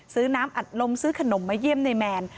ซื้อน้ำอัดลมซื้อขนมมาเยี่ยมในแมน